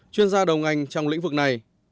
chuyên gia đầu ngành trong lĩnh vực này